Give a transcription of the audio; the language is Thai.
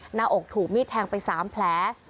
หน้าอกถูกมีดแทงไป๓แผล